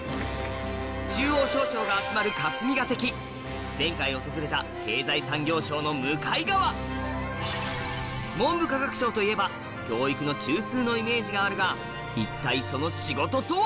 中央省庁が集まる霞が関前回訪れた経済産業省の向かい側文部科学省といえばのイメージがあるが一体その仕事とは？